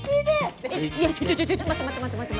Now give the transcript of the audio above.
ちょちょちょちょ待って待って待って待って。